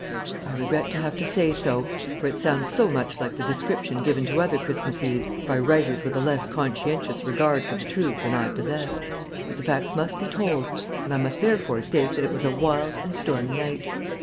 I regret to have to say so, for it sounds so much like the description given to other Christmas Eves by writers with a less conscientious regard for the truth than I possess, but the facts must be told, and I must therefore state that it was a wild and stormy night.